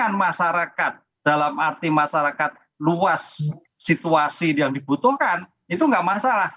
karena masyarakat dalam arti masyarakat luas situasi yang dibutuhkan itu nggak masalah